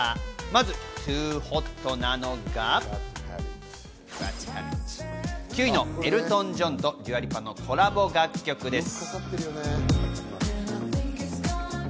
ＴｏｏｏｏｏｏｏＨＯＴ！なのが、９位のエルトン・ジョンとデュア・リパのコラボ楽曲です。